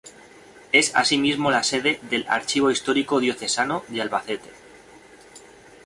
Es asimismo la sede del Archivo Histórico Diocesano de Albacete.